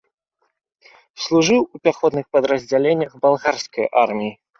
Служыў у пяхотных падраздзяленнях балгарскай арміі.